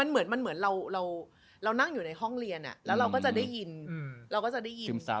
มันเหมือนเรานั่งอยู่ในห้องเรียนแล้วเราก็จะได้ยิน